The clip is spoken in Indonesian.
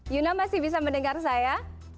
yuna masih bisa mendengar saya